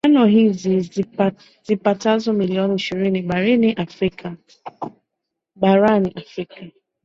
dano hizi zipatazo milioni ishirini barani afrika